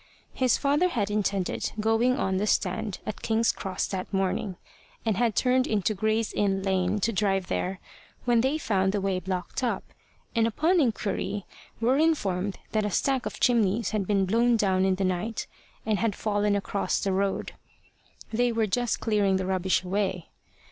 His father had intended going on the stand at King's Cross that morning, and had turned into Gray's Inn Lane to drive there, when they found the way blocked up, and upon inquiry were informed that a stack of chimneys had been blown down in the night, and had fallen across the road. They were just clearing the rubbish away.